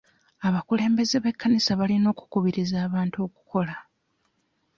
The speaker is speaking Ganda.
Abakulembeze b'ekkanisa balina okukubiriza abantu okukola.